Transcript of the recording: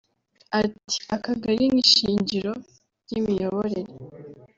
Ati “Akagari nk’ishingiro ry’imiyoborere